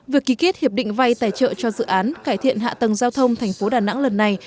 việc ký kết hiệp định vay tài trợ cho dự án cải thiện hạ tầng giao thông thành phố đà nẵng lần này